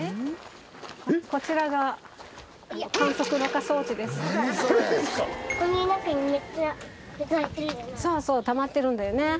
こちらがそうそうたまってるんだよね。